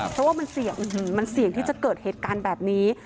เพราะว่ามันเสี่ยงมันเสี่ยงที่จะเกิดเหตุการณ์แบบนี้